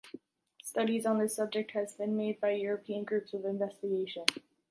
Studies on this subject has been made by European groups of investigation.